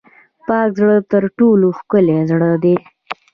پاک زړه تر ټولو ښکلی زړه دی.